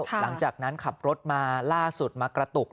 หลังจากนั้นขับรถมาล่าสุดมากระตุก